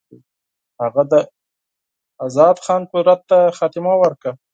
هغه د آزاد خان قدرت ته خاتمه ورکړه.